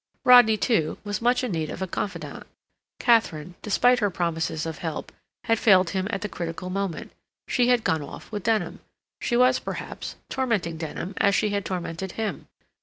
Rodney, too, was much in need of a confidant; Katharine, despite her promises of help, had failed him at the critical moment; she had gone off with Denham; she was, perhaps, tormenting Denham as she had tormented him.